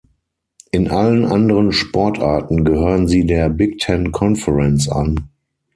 In allen anderen Sportarten gehören sie der „Big Ten Conference“ an.